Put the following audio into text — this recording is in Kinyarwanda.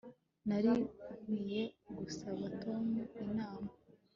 Nari nkwiye gusaba Tom inama